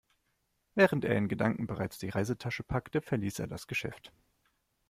Während er in Gedanken bereits die Reisetasche packte, verließ er das Geschäft.